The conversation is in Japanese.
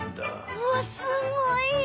うわすごい！